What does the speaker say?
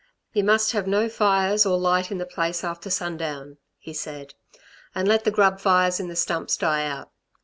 "You must have no fires or light in the place after sundown," he said, "and let the grub fires in the stumps die out.